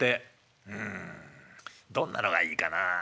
うんどんなのがいいかな。